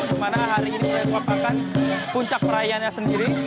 dimana hari ini kita akan puncak perayaannya sendiri